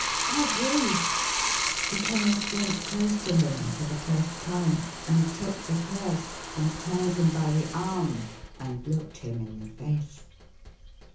" I do !" The Chemist went close to him, for the first time, and took the purse, and turned him by the arm, and looked him in the face.